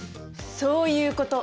そういうこと！